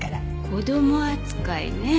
子供扱いね。